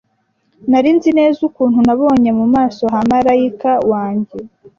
Nari nzi neza ukuntu nabonye mu maso ha marayika wanjye.